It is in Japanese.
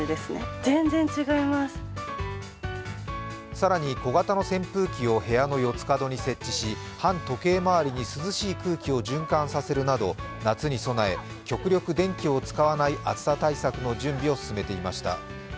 更に、小型の扇風機を部屋の四つ角に設置し、反時計回りに涼しい空気を循環させるなど夏にそなえ極力電気を使わない暑さ対策の準備を進めていました。